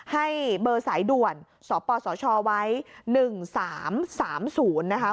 ให้เบอร์สายด่วนสปสชไว้๑๓๓๐นะคะ